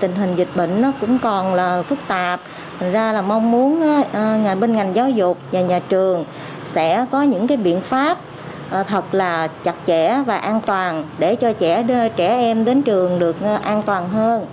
tình hình dịch bệnh cũng còn phức tạp thành ra là mong muốn bên ngành giáo dục và nhà trường sẽ có những biện pháp thật là chặt chẽ và an toàn để cho trẻ em đến trường được an toàn hơn